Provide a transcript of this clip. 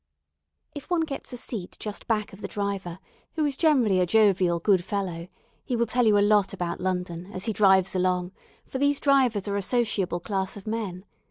If one gets a seat just back of the driver, who is generally a jovial good fellow, he will tell you a lot about London, as he drives along, for these drivers are a sociable class of men.